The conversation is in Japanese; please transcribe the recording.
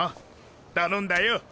頼んだよ。